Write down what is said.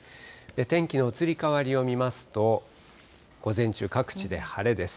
天気の移り変わりを見ますと、午前中、各地で晴れです。